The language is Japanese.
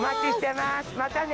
またね。